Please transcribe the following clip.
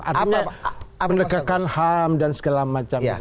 artinya penegakan ham dan segala macam